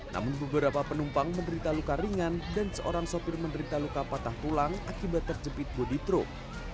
namun beberapa penumpang menderita luka ringan dan seorang sopir menderita luka patah tulang akibat terjepit bodi truk